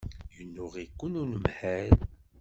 Yennuɣ-iken unemhal.